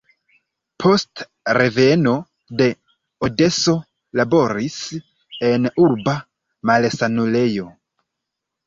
Post reveno de Odeso laboris en urba malsanulejo.